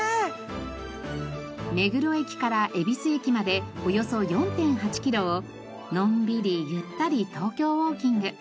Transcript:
目黒駅から恵比寿駅までおよそ４．８キロをのんびりゆったり東京ウォーキング。